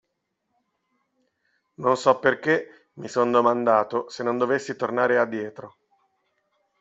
Non so perché mi son domandato se non dovessi tornare a dietro.